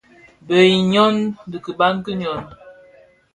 Bëug i nyôn, di biban bi nyôn.